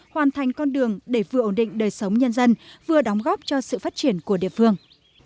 hoàn thành con đường để vừa ổn định đời sống nhân dân vừa đóng góp cho sự phát triển của địa phương